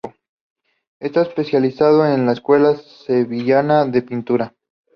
Está especializado en la escuela sevillana de pintura.